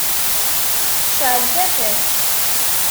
Cεel tafat.